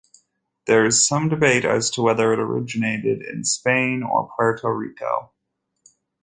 There is some debate as to whether it originated in Spain or Puerto Rico.